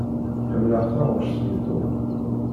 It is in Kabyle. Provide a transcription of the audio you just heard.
Ḥemmleɣ taɣect n Tom.